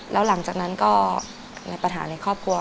แล้วหลังจากนั้นก็ในปัญหาในครอบครัว